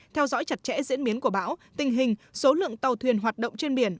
theo dõi chặt chẽ diễn biến của bão tình hình số lượng tàu thuyền hoạt động trên biển